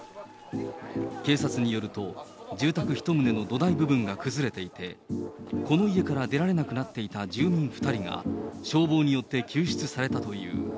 警察によると、住宅１棟の土台部分が崩れていて、この家から出られなくなっていた住民２人が、消防によって救出されたという。